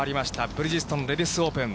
ブリヂストンレディスオープン。